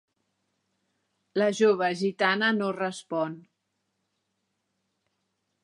La jove gitana no respon.